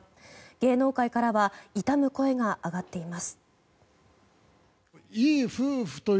芸能界からは悼む声が上がっています。